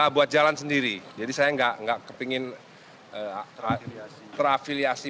buat jalan sendiri jadi saya nggak kepingin terafiliasi